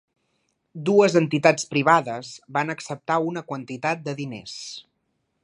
Dues entitats privades van acceptar una quantitat de diners.